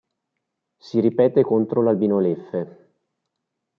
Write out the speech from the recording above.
Si ripete contro l'AlbinoLeffe.